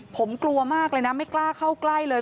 ผมกลัวมากเลยนะไม่กล้าเข้าใกล้เลย